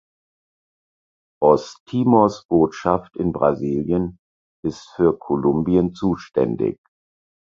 Osttimors Botschaft in Brasilien ist für Kolumbien zuständig.